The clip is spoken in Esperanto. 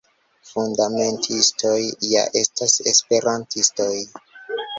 Fundamentistoj ja estas Esperantistoj.